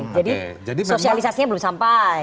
jadi sosialisasinya belum sampai